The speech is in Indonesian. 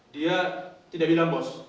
dia tidak bilang bos